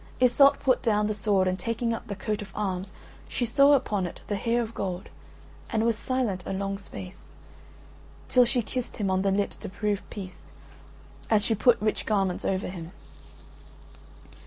Iseult put down the sword and taking up the Coat of Arms she saw upon it the Hair of Gold and was silent a long space, till she kissed him on the lips to prove peace, and she put rich garments over him.